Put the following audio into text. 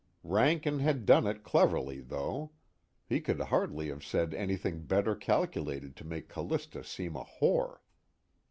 Rankin had done it cleverly, though; he could hardly have said anything better calculated to make Callista seem a whore.